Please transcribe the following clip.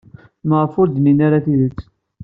Maɣef ur d-nnin ara tidet?